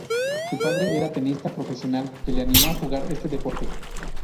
Su padre era un tenista profesional que la animó a jugar este deporte.